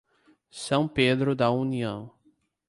São Pedro da União